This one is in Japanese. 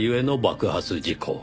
爆発事故。